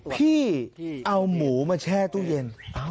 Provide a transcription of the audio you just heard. พี่เอาหมูมาแช่ตู้เย็น